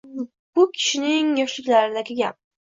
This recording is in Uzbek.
Bu u kishining yoshliklaridagi gap.